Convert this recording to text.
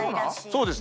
そうです。